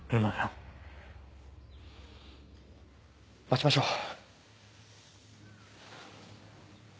待ちましょう。